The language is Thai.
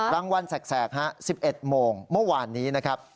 วันแสก๑๑โมงเมื่อวานนี้นะครับ